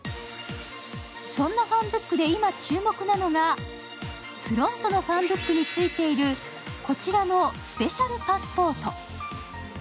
そんなファンブックで今、注目なのがＰＲＯＮＴＯのファンブックについているこちらのスペシャルパスポート。